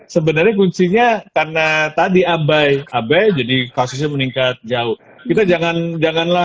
sebenarnya kuncinya karena tadi abai abai jadi kasusnya meningkat jauh kita jangan janganlah